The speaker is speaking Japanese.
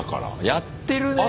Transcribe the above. やってるね！